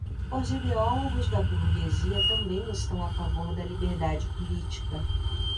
os ideólogos da burguesia também estão a favor da liberdade política